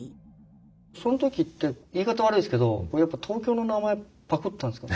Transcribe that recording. その時って言い方悪いですけどやっぱ東京の名前パクったんですかね？